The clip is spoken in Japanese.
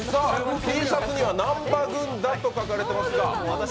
Ｔシャツには南波軍団と書かれてますが。